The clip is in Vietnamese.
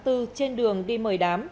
trên đường đi mời đám